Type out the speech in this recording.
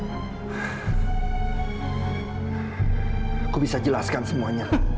aku bisa jelaskan semuanya